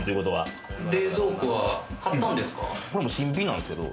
これも新品なんですけれど、